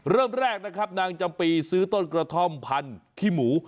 เริ่มแรกนะครับนางจำปีซื้อต้นกระท่อมพันขี้หมู